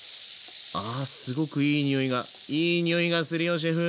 あすごくいいにおいがいいにおいがするよシェフ。